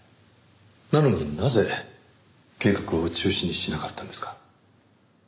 なのになぜ計画を中止にしなかったんですか？